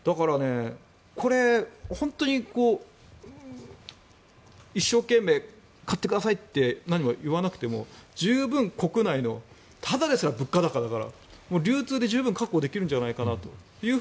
これ、本当に一生懸命買ってくださいって何も言わなくても十分、国内のただでさえ物価高だから流通で十分確保できるんじゃないかなと。